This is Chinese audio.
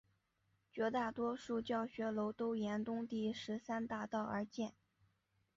绝大多数教学楼都沿东第十三大道而建。